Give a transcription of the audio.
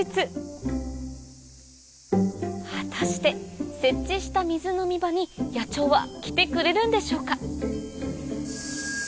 果たして設置した水飲み場に野鳥は来てくれるんでしょうか？